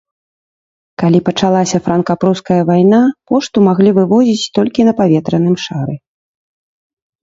Калі пачалася франка-пруская вайна, пошту маглі вывозіць толькі на паветраным шары.